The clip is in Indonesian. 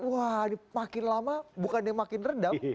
wah makin lama bukan dia makin rendam